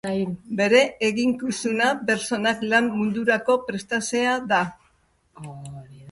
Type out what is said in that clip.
Bere eginkizuna pertsonak lan mundurako prestatzea da.